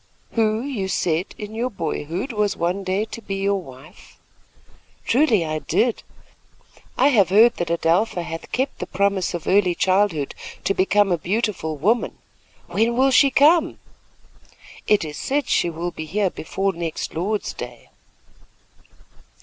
"Who, you said in your boyhood, was one day to be your wife." "Truly, I did. I have heard that Adelpha hath kept the promise of early childhood to make a beautiful woman. When will she come?" "It is said she will be here before next Lord's Day."